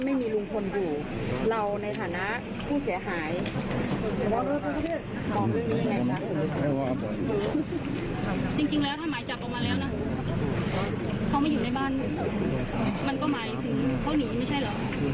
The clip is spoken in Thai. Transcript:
เขาไม่อยู่ในบ้านมันก็หมายถึงเขาหนีไม่ใช่เหรอ